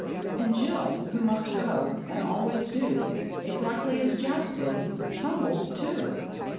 And Jill, who must go And always do Exactly as Jack did, tumbled too!